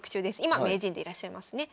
今名人でいらっしゃいますね。